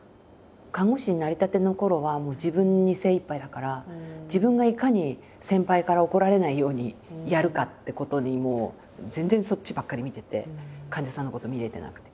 看護師になりたてのころは自分に精いっぱいだから自分がいかに先輩から怒られないようにやるかってことに全然そっちばっかり見てて患者さんのこと見れてなくて。